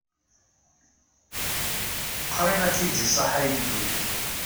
Qrib ad k-id-iṣaḥ ad yeddud.